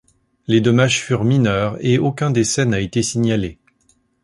Les dommages furent mineurs et aucun décès n'a été signalé.